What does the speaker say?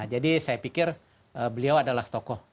jadi saya pikir beliau adalah tokoh